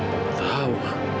pak tahu pak